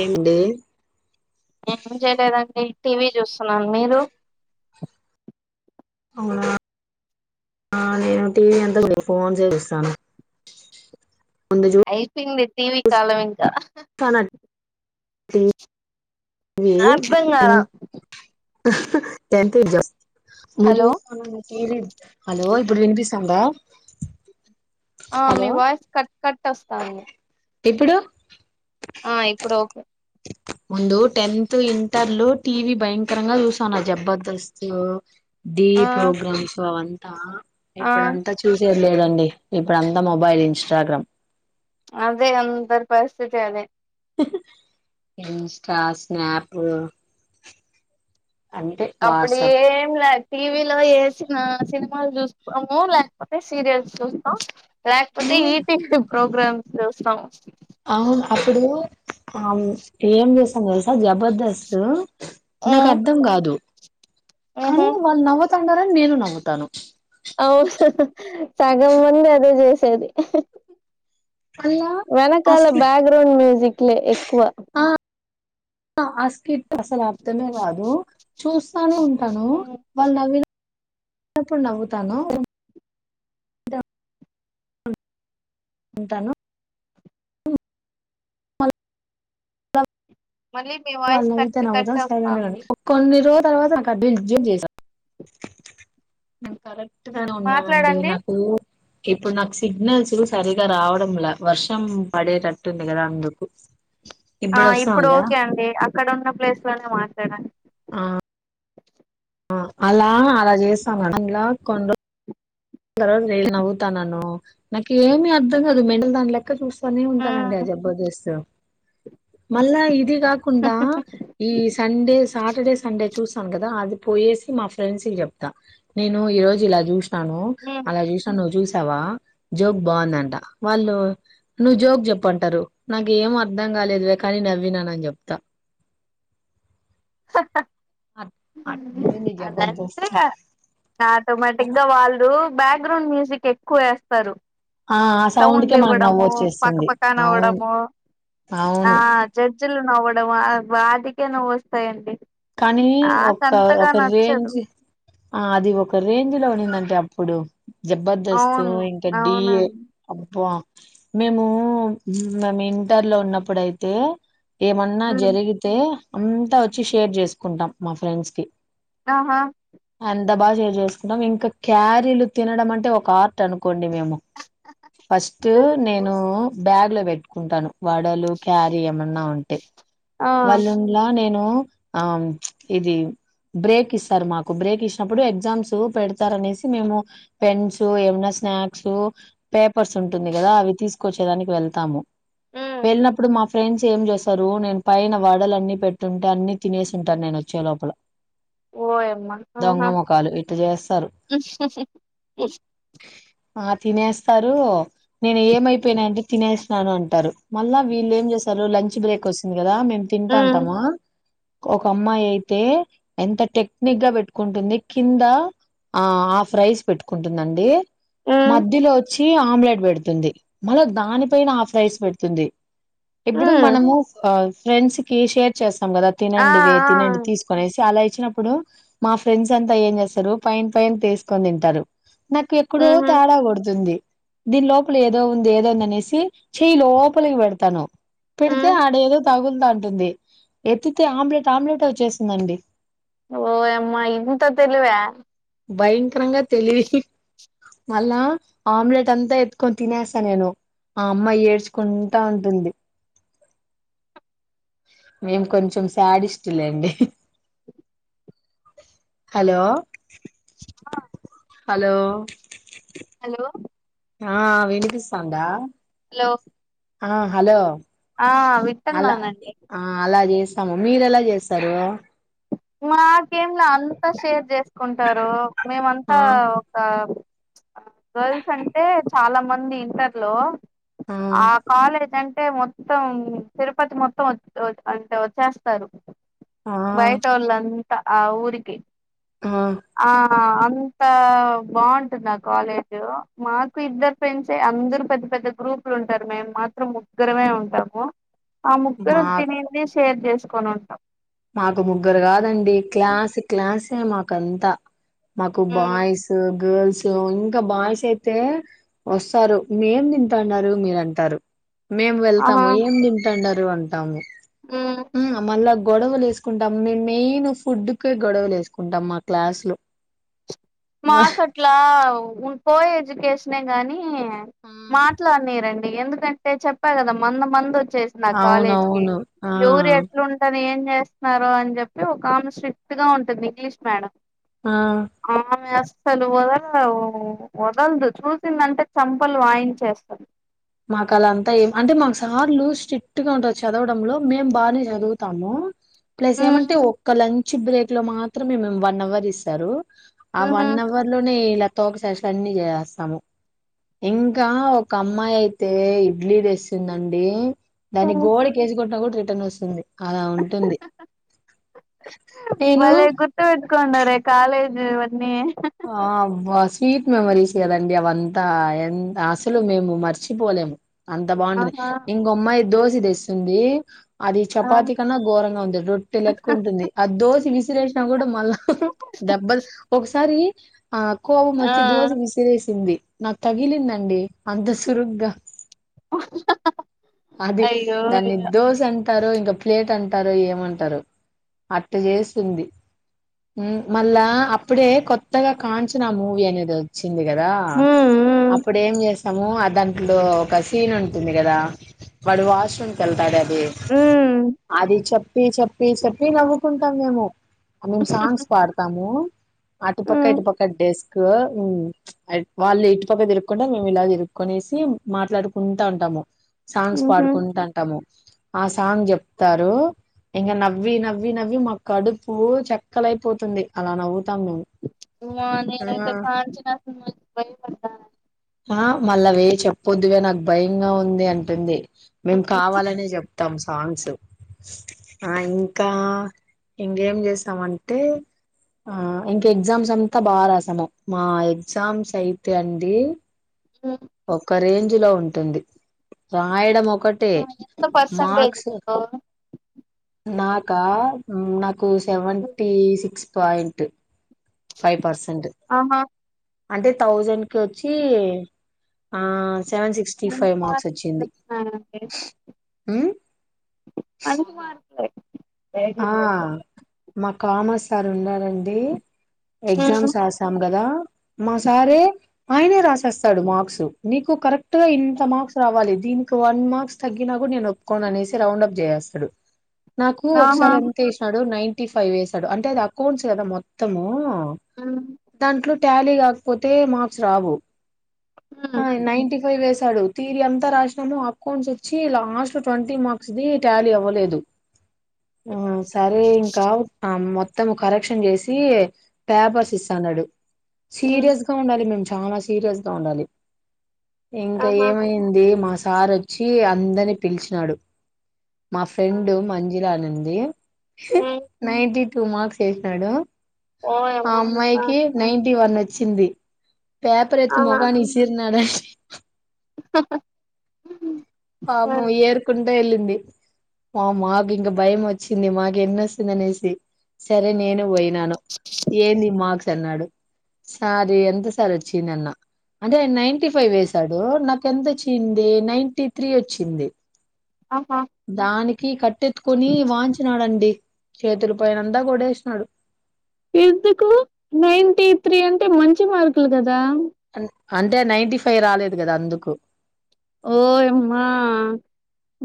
ఏంది ఏం చేయలేదండి టీవీ చూస్తున్నను మీరు అవునా నేను టీవీ ఎంతకు ఫోన్ చూస్తాను అయి చెప్పింది టీవీ కాలం ఇంక తనన్ తీ ఆర్తంకాల ఎంత ఇద్దాం ముదు హలో కాన్ ఏ హలో ఇప్పుడు వినిపిస్తాంద ఆ మీ వాయిస్ కట్ కట్ వస్తాంది ఎప్పుడు ఆ ఇప్పుడు ఓకే ముందు టెన్త్ ఇంటర్ లో టీవీ భయంకరంగా చూసాను జబర్దస్స్తుత్ ది ఆ ప్రోగ్రామ్స్ అవన్ దా ఆ ఇప్పుడంతా చూసే లేదండి ఇప్పుడు అంతా మొబైల్ ఇన్స్టాగ్రామ్ అదే అందరి పరిస్థితి అదే ఇన్స్టా స్నాప్ అంటే అప్పుడ వాట్సాప్ ఏం లే టీవీలో వేసిన సినిమాలు చూసుకోము లేకపోతే సీరియల్స్ రాకపోతే అప్పుడు ఈ ప్రోగ్రామ్స్ చస్తాము అవును అప్పుడు ఏం చేసాం తెలుసా జబర్దస్త్ నాకు ఉమ్, అర్థం కాదు ఉహు కానీ వాళ్ళు నవత న్నారని నేను నవ్వతను అవు సగం మంది అదే చేసేది మళ్ళా ఆ వెనకాల స్కిట్ బ్యాక్గ్రౌండ్ మ్యూజిక్లే ఎక్కువ ఆస్క అసలు అర్థమే కాదు చూస్తానే ఉంటాను ఉమ్ వాళ్ళు నవిన ఎన్నప్పుడు నవ్వుతాను ఉంటాను మ మళ్ళీ మీ వాళ్ళ వాయిస్ కట్ నవితే కట్ నవ్వతను సైలెంట్గా వస్తాంది కొన్ని రోజు తర్వాత జ చేసాను కరెక్ట్ గానే ఉన్నానండి మాట్లాడండి నాకు ఇప్పుడు నాకు సిగ్నల్స్ సరిగా రావడంలా వర్షం పడేటట్టుంది కదా అందుకు ఆ వస్తా ఇప్పుడు ఉందా ఓకే అండి అక్కడ ఉన్న ప్లేస్ లోనే మా సడి ఆ అలా అలా చేస్తాము ఇంలా కొ జు ఏ నవ్వుతానన్నను నాకు ఏమి అర్థం కాదు మెండ దాని లెక్క చూస్తా కొనే ఉంటానండి ఆ జబర్దస్త్ మళ్ళా ఇది కాకుండా ఉమ్ ఈ సండే సాటర్డే సండే చూసి టామ్ కదా అది పోయేసి మా ఫ్రెండ్స్ కి చెప్తాను నేను ఈ రోజు ఇలా చూసినాను అలా చూసాను నువ్ చూసా తవా జోక్ బావుందంట వాళ్ళు నువ్వు జోక్ చెప్పంటారు నాకేం అర్ధం కాలేదువే కానీ నవ్వినానని చెప్తా అట్ అట్టుంది నీ అదంతే జబర్దస్త్ ఆ ఆటోమేటిక్ గా వాళ్ళు బ్యాక్గ్రౌండ్ మ్యూజిక్ ఎక్కువ ఏస్తారు ఆ ఆ సౌండ్ కే మనకు నవ్వు సౌండ్లివ్వడము పక వచ్చేస్తుంది పకా అవును నవ్వడము ఆ అవును జడ్జిలు నవ్వడం వాటికే నవ్వొస్తాయండి కానీ ఒక ఒక రేంజ్ ఆ అది ఒక రేంజ్ లో నిందంటే అప్పుడు జబర్దస్త్ అవును ఇంకా డిఏ అవునండి అబ్బ మేము మేము ఇంటర్ లో ఉన్నప్పుడయితే ఏమన్నా ఉమ్, జరిగితే అంత వచ్చేషి షేర్ చేసుకుంటాం మా ఫ్రెండ్స్ కి ఆహా త బా షేర్ చేసుకుంటాం ఇంకా క్యారీలు తినడం అంటే ఒక ఆర్ట్ అనుకో కోండి మేము ఫస్ట్ నేను బ్యాగ్ లో పెట్టుకుంటాను వడలు క్యారీ ఏమన్నా ఉంటే ఆ వాళ్ళుండ్లా నేను ఆ ఇది బ్రేక్ ఇస్తారు మాకు బ్రేక్ ఇచ్చినప్పుడు ఎగ్జామ్స్ పెడతారనేసి మేము పెన్స్ ఏమన్నా స్నాక్స్ పేప్ పర్స్ ఉంటుంది కదా అవి తీస్ కొచ్చేదానికి వెళ్తాము వెళ్ళినప్పుడు మాఫ్ ఫ్రెండ్స్ ఏం చేసారు నేను పైన వడలు అన్ని పెట్టుంటే అన్ని తనేసింటారు నేనొచ్చే లోపల ఓయమ్మా దొంగ ఆహా మొఖాలు ఇట్లా చేస్తారు [unintelligible] ఆ తినేస్తారు నేను ఏమైపోయినాయంటే తినేస్నాను అంటారు మళ్ళా వీళ్ళు ఏం చేస్తారు లంచ్ బ్రేక్ వస్తుంది కదా మేము తింటా ఉమ్, ఉంటామా ఒక అమ్మాయయితే ఎంత టెక్నిక్ గా పెట్టుకుంటుంది కింద ఆ ఆఫ్ రైస్ పెట్టుకుంటుందండి ఉమ్. మధ్యలో చ్చి ఆమ్లెట్ పెడుతుంది మళ్ళ దాని పైన హాఫ్ రైస్ పెడుతుంది ఎప్పుడు హ్మ్. మనము ఆ ఫ్రెండ్స్ కి షేర్ చేస్తాం కదా ఆ! తినండి వే ఆ! తినండి తీసుకొనేసి అలా చ్చినప్పుడు మా ఫ్రెండ్స్ అంతా ఏం చేస్తారు పైన పైన తీసుకొని తింటారు నాకు ఎక్కడో హుహు. తేడా కొడుతుంది దీని లోపల ఏదో ఉంది ఏదోందినేసి చెయ్యి లోపలికి పెడతాను పెడితే హ్మ్. ఆడ ఏదో తగులుతా అంటుంది ఎత్ అతే ఆమ్లెట్ ఆమ్లెట్ వచ్చేసిందండి ఓ అమ్మా ఇంత తెలివ భయంకరంగా తెలివి మళ్ళా ఆమ్లెట్ అంతా ఎతుకొని తినేస్తా నేను ఆ అమ్మాయి ఏడ్చుకుంటా ఉంటుంది మేం కొంచెం చాడిష్టలేడి హలో ఆ హలో ఆ వినిపిస్తందా హలో ఆ హలో ఆ! అలా వింటున్నానండి. ఆ అలా చేస్త స్తాము మీరు ఎలా చేస్తారు మాకేం లే అంతా షేర్ చేసుకుంటారు మేమంతా ఆ ఒక గర్ల్స్ అంటే చాలా మంది ఇంటర్ లో ఆ కాలేజ్ అంట అంటే మొత్తం తిరుపతి మొత్తం అంటే వచ్చేస్తారు ఆ అంత ఆ ఊరికి ఆ ఆ అంత బాగుంటుంది ఆ కాలేజ్ మాకు ఇద్దరు ఫ్రంస్ అందరు పెద్ద పెద్ద గ్రూపులు ఉంటారు మేము మాత్రం ముగ్గురమే ఉంటాము ఆ మా ముగ్గురం తినింది షేర్ చేసుకొని ఉంటాం మాకు ముగ్గురు కాదండి క్లాస్ క్లాసే మాక అంతా మాకు ఉమ్ బాయ్స్ గర్ల్స్ సో ఇంకా బాయ్స్ అయితే వస్తారు మీేం తింటాన్నారు మీర అంటారు మేము వెళ్తాము ఆహా ఏం తింటండన్నారు అంట తమము ఉమ్ మల్ల గొడవలు వేసుకుంటాం మేము మెయిన్ ఫుడ్ కి గొడవలు వేసుకుంటాం మా క్లాస్ లో మాకు అట్లా కో ఎడ్యుకేషనే గాని ఆ మాట్లాడిని రండి ఎందుకంటే చెప్పా కదా మంద మందు వచ్చి సిన కాలేజ్ కి అవునవును ఆ ఎవరు ఎట్లాంట ఏం చేస్తున్నారు అని చెప్పి ఒక ఆమె స్ట్రిక్ట్ గా ఉంటుంది ఇంగ్లీష్ మేడం ఆ అసలు వదల వదలదు చూసిందంటే చంపలు వాయించేస్తారు. మాకు అలా అంతా ఏం అంటే మాకు సార్లు స్ట్రిక్ట్ గా ఉంటారు చదవడంలో మేము బాగనే చదువుతాము. ప్లస్ ఉమ్ ఏమంటే ఒక్క లంచ్ న్చ్ బ్రేక్ లో మాత్రంమే వన్ అవర్ ఇస్తారు ఆ వన్ అవర్ లోనే ఇలా కొ ఒకసారి అన్ని చేస్తాము ఇంకా ఒక అమ్మాయి అయి అయితే ఇడ్లీ చేసిందండి. దాన్ని ఉహుమ్ గోడ కేసి కొట్టకూడ రిటర్న్ వస్తుంది. అలా ఉంటుంది నేను భలే గుర్తుపెట్టుకున్నారే కాలేజ్ మీవన్ని అబ్బా స్వీట్ మెమోరీస్ కదండి అవంతా ఎంత అసలు మేము మర్చిపోలేము. అంత బాగుంటుంది ఆహా ఇంకొమ్మాయి దోశ దోశ తెస్తుంది. అది ఆ చపాతి కన్నా ఘోరంగా ఉంది రొట్టె లెక్క ఉంటుంది అది దోస విసి విసిరేసిన కూడా మల్లా హు హు దేబ్బల్ ఒకసారి ఆ కోపం ఆ వచ్చి దోశ విసిరేసింది. నాకు తగిలిందండి అంత సురుగ్గా అది అయ్యో దాన్ని అయ్యో దోస అన్ అంటారో ఇంక ప్లేట్ అంటారు ఏమంటారు అట్ట చేస్తుంది ఉ మళ్ళా అప్పుడే కొత్త కొత్తగా కాంచన మూవీ అనేది వచ్చింది. వచ్చింది కదా ఉమ్ అప్పుడు ఏం చేస్త స్తాము ఆ దాంట్లో ఒక సీన్ ఉంటుంది కదా వాడు వాష్రూమ్కు వెళ్తాడే డే ఉమ్ అది చెప్ చెప్పి చెప్పి చెప్పి నవ్వుకుంటాం మేము మేము సాంగ్స్ పాడతాము అటుపక్క పక్క ఉమ్ ఇటు పక్క డెస్క్ ఊ వాళ్ళు ఇటుపక్క తిరుకుంటా మేము ఇలా తిరుక్కునేసి మాట్లాడుకుంటా ఉంటాము. సాంగ్స్ ఉహుమ్ పాడుకుంటాంటాము. ఆ సాంగ్ చెప్తారు ఇంకా నవ్వి నవ్వి నవ్వి మా కడుపు చక్కలైపోతుంది అలా నవ్వుతాం మేము అమ్మో నేనయితే కాంచన సినిమా చూసి బయపడ్తా ఆ మళ్ళవే చెప్పొద్వే నాకు భయంగా ఉంది అంటుంది. మేం కావాలనే చెప్తాం సాంగ్స్ ఆ ఇంకా ఇంకేం చేసామంటే ఆ ఇంకా ఎగ్జామ్స్ అంతా బాగా రాసాము మా ఎగ్జామ్స్ అయితే అండి. ఒక రేంజ్ లో ఉంటుంది రాయడం ఓ ఎంత పర్సెంటేజ్ ఉ నాకా హమ్ కు seventy six point five percent ఆహా అంటే థౌజండ్కి వచ్చి ఆ సెవెన్ సిక్స్టీ మంచి ఫైవ్ మార్క్స్ మార్కులే వచ్చింది వచ్చినాయండి హమ్ కరెక్ట్ ఆ మ కామర్స్ సార్ ఉండ రండి ఎగ్జామ్స్ ఉమ్ రాసం కదా మా సారే ఆయనే రాసేస్తాడు మార్క్స్ నీకు కరెక్ట్ గా ఇంత మార్క్స్ రావాలి దీనికి వన్ మార్క్స్ తగ్గినా కూడా నేను ఒప్పుకోన అనేసి రౌండ్ అప్ చేసేస్తడు నాకు ఒక్ ఆహా సార్ ఎంత ఏషడో నైన్ ర్టీ ఫైవ్ ఎస్సాడు అంటే అది అకౌంట్స్ కదా మొత్తము హమ్ ట్యాలీ కాకపోతే మార్క్స్ రావు ఉమ్ ఆ నిన్టీ ఫైవ్ వేస్ స్తాడు తీరి ఎంత రాసినాను అకౌంట్స్ వచ్చి లాస్ట్ ట్వంటీ మార్క్స్ది టాలీ అవ్వలేదు ఆ సరే ఇంకా ఆ మొత్తం తము కరెక్షన్ చేసి పేపర్స్ ఇస్తన్నాడు ఉమ్ సీరియస్గా ఉండాలి మేమ్ చాలా సీరియస్గా ఉండాలి ఇంకా ఆహా ఏమైంది మాస్ సార్ వచ్చి అందరిని పిలిచినాడు మా ఫ్రెండు మంజులా అని ఉంది ది ఉమ్ నైన్ టూ మార్క్స్ వేసినాడు ఆ ఓయమ్మ ఆ అమ్మాయికి నైన్ంటి వన్ చింది పేపర్ ఎత్తు ఆహా ముగన్ని ఇసీరినాడ ఉమ్ పాపం ఏరుకుంటా వెళ్ళింది మా మాకు ఇంక భయం వచ్చింది మాకు ఎన్నొస్తుంది అనేసి సరే నేను పోయి నాను ఏందీ మార్క్స న్నాడు సారి ఎంత సారి వచ్చింది అన్న అంటే నైన్టీ ఫైవ్ వేసాడు నాక ఎంత వచ్చింది నైన్టి త్రీ వచ్చింది ఆహా దానికి కి కట్టెత్తుకుని వాంచినాడుండి చేతులు పయిన అంతా కొడేసినాడు ఎందుకు నైటీ త్రీ అంటే మంచి మార్కులు కదా అంటే నైటీ ఫైవ్ రాలేదు కదా అందుకు ఓయమ్మా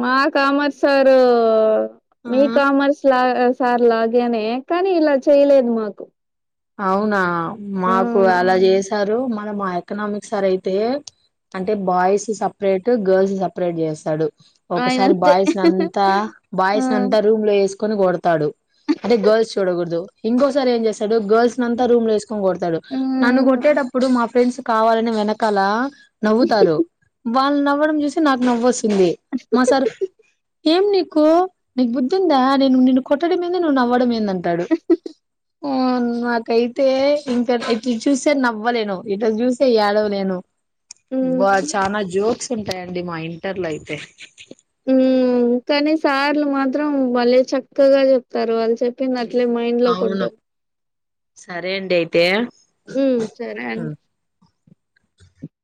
మా కామత్ సారు మీ ఆ కామర్స్ లా సార్ లాగే అనే కానీ ఇలా చేయలేదు మాకు అవునా ఆ మాకు అలా చేసి సారు మన మా ఎకనామిక్ సార్ అయితే అంటే బాయ్స్ సపరేట్ గర్ల్స్ సపరేట్ చేస్తాడు ఒకసారి ఆయనంతే బాయ్స్ ని అంతా ఆ బాయ్స్ ని అంతా రూమ్ లో వేసు కొని కొడతాడు అంటే గర్ల్స్ చూడకూడదు ఇంకోసారి ఏం చేస్తాడు గర్ల్స్ నంత రూమ్ ఏస్ కొని కొడతాడు ఆ నన్ను కొట్టేటప్పుడు మా ఫ్రెండ్స్ కావాలని వెనకాల నవ్వుతారు వాళ్ళు నవ్వడం చూసి నాకు నవ్వస్తు ఉంది మా సార్ ఏం నీకు నీకు బుద్ధి ఉందా నేను నిన్న కొట్టడం ఏంది నువు నవ్వడం ఏందంటే అంటాడు నాకైతే ఇంకా ఇటు చూసే నవ్వలేను ఇటు చూసే ఏడవలేను బ ఉమ్ చానా జోక్స్ ఉంటాయండి మా ఇంటర్ లో అయితే ఉ కానీ సార్లు మాత్రం మళ్ళీ చక్కగా చెప్తారు వాళ్ళు చెప్పింద అట్లే మైండ్ అవును లోకింటది సరే అండి అయితే ఉ సరే అం ఉమ్